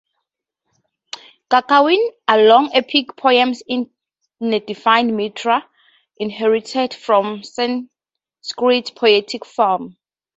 Kakawin are long epic poems in a defined metre inherited from Sanskrit poetic forms.